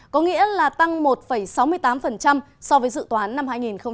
có nghĩa là tăng một sáu mươi tám so với dự toán năm hai nghìn một mươi chín